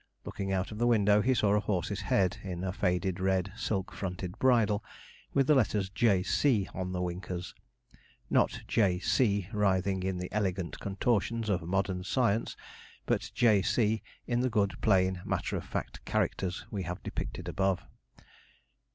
Looking out of the window, he saw a horse's head in a faded red, silk fronted bridle, with the letters 'J.C.' on the winkers; not 'J.C.' writhing in the elegant contortions of modern science, but 'J.C.' in the good, plain, matter of fact characters we have depicted above.